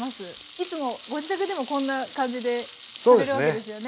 いつもご自宅でもこんな感じでされるわけですよね。